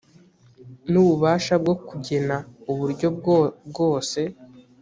n ububasha bwo kujyena uburyo bwo bwose